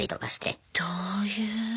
どういう？